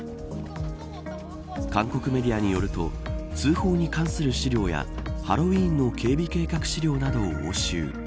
韓国メディアによると通報に関する資料やハロウィーンの警備計画資料などを押収。